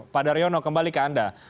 pak daryono kembali ke anda